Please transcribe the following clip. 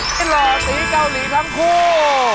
หล่อสีเกาหลีทั้งคู่